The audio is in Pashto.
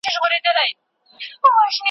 ایا ته پوهېږې چې زموږ کلتور څومره بډای دی؟